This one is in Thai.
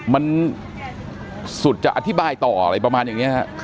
มันสุดจะอธิบายต่ออะไรประมาณอย่างนี้ฮะ